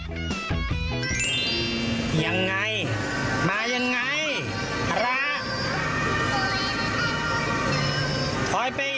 โอ๊ยนอเจ้าหรอ